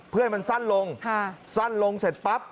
เพื่อให้มันสั้นลงสั้นลงเสร็จปั๊บ